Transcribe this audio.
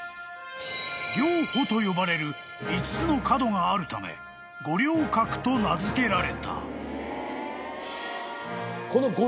［稜堡と呼ばれる５つの角があるため五稜郭と名付けられた］